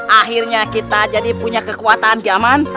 akhirnya kita jadi punya kekuatan zaman